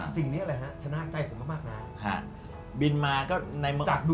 สิ่งนี้อะไรฮะชนะใจผมมากนะ